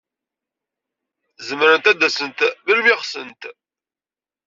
Zemrent ad d-asent melmi ɣsent.